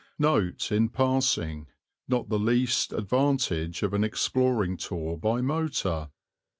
Note, in passing, not the least advantage of an exploring tour by motor.